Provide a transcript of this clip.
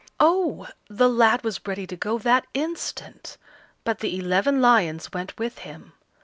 Oh! the lad was ready to go that instant; but the eleven lions went with him.